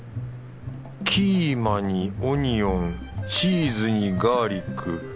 キーマにオニオンチーズにガーリック。